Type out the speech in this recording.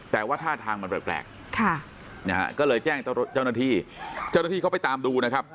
แต่ว่าท่าทางมันแปลกก็เลยแจ้งเจ้าหน้าที่เจ้าหน้าที่เขาไปตามดูนะครับ